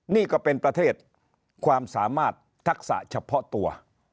นี่ก็เป็นประเทศความสามารถทักษะเฉพาะตัว